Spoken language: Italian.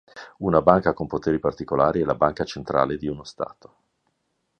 Una banca con poteri particolari è la Banca centrale di uno stato.